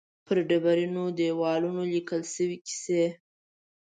پر ډبرینو دېوالونو لیکل شوې کیسې.